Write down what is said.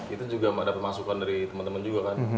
itu juga ada permasukan dari temen temen juga kan